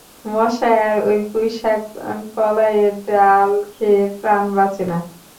মশায়, আর ঐ পুঁইশাক কলাইয়ের ডাল খেয়ে প্রাণ বাঁচে না।